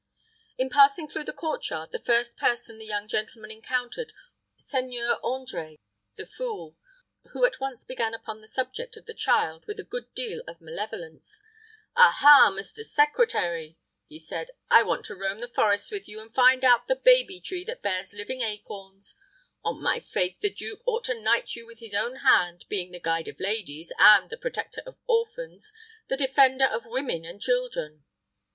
In passing through the court yard, the first person the young gentleman encountered was Seigneur André the fool, who at once began upon the subject of the child with a good deal of malevolence. "Ah, ha! Mr. Secretary," he said, "I want to roam the forests with you, and find out the baby tree that bears living acorns. On my faith, the duke ought to knight you with his own hand, being the guide of ladies, and the protector of orphans, the defender of women and children."